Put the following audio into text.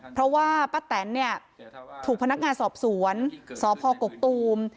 เพราะว่าป้าแตนเนี่ยถูกพนักงานสอบสวนสพกกตูม